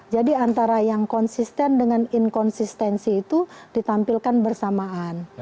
jadi antara yang konsisten dengan inkonsistensi itu ditampilkan bersamaan